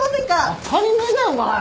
当たり前だよお前！